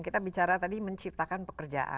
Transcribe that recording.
kita bicara tadi menciptakan pekerjaan